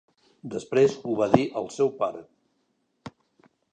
Després ho va dir al seu pare